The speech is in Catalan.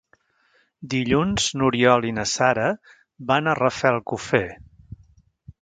Dilluns n'Oriol i na Sara van a Rafelcofer.